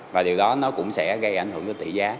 và điều đó nó cũng sẽ gây ảnh hưởng đến tỷ giá